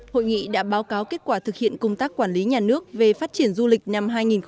hội nghị đã báo cáo kết quả thực hiện công tác quản lý nhà nước về phát triển du lịch năm hai nghìn một mươi chín